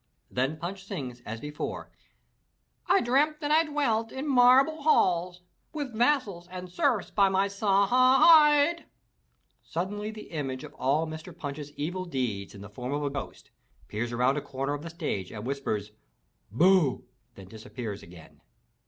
Then Pimch sings as before: "/ dreamt that I dwelt in marble halls With vassals and serfs by my si hi hide!'* 446 THROUGH FAIRY HALLS JjIjIl Suddenly the image of all Mr. Punch's evil deeds in the form of a ghost peeps around a comer of the stage and whispers, "Booh!*' then disappears again.